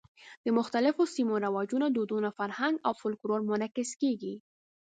د مختلفو سیمو رواجونه، دودونه، فرهنګ او فولکلور منعکس کېږي.